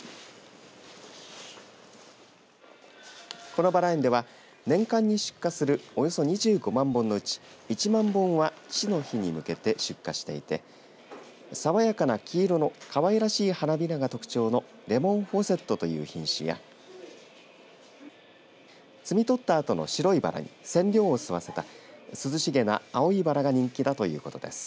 このバラ園では年間に出荷するおよそ２５万本のうち１万本は父の日に向けて出荷していてさわやかな黄色のかわいらしい花びらが特徴のレモンフォセットという品種や摘み取ったあとの白いバラに染料を吸わせた涼しげな青いバラが人気だということです。